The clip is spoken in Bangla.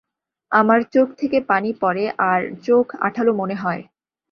আমার চোখ থেকে পানি পরে আর চোখ আঠালো মনে হয়।